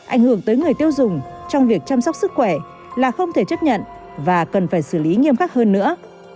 ảnh hưởng tới người tiêu dùng trong việc chăm sóc sức khỏe là không thể chấp nhận và cần phải xử lý nghiêm khắc hơn nữa